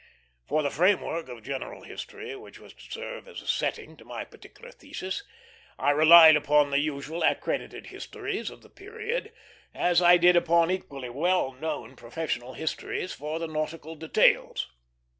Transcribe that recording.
For the framework of general history, which was to serve as a setting to my particular thesis, I relied upon the usual accredited histories of the period, as I did upon equally well known professional histories for the nautical details.